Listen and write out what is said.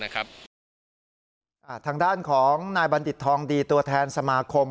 ทางด้านของนายบัณฑิตทองดีตัวแทนสมาคม